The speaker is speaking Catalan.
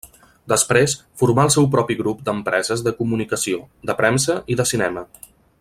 Després formà el seu propi grup d'empreses de comunicació, de premsa i de cinema.